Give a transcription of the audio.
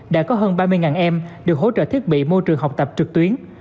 đã có hơn ba mươi em được hỗ trợ thiết bị môi trường học tập trực tuyến